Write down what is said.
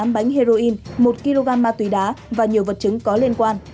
bốn mươi tám bánh heroin một kg ma túy đá và nhiều vật chứng có liên quan